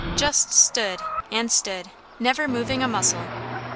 Just stood, and stood, never moving a muscle.